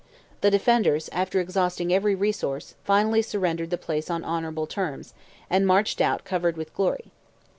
The defenders, after exhausting every resource, finally surrendered the place on honourable terms, and marched out covered with glory.